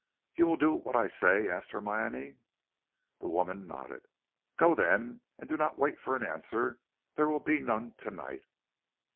"You will do what I say?" asked Hermione. The woman nodded. "Go then, and do not wait for an answer; there will be none to night."